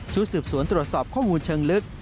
สืบสวนตรวจสอบข้อมูลเชิงลึก